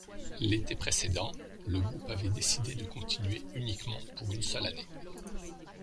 L'été précédent, le groupe avait décidé de continuer uniquement pour une seule année.